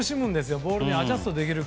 ボールにアジャストできるか。